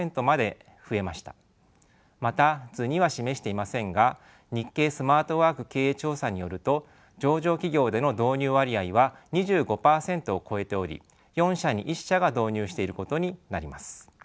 また図には示していませんが日経スマートワーク経営調査によると上場企業での導入割合は２５％を超えており４社に１社が導入していることになります。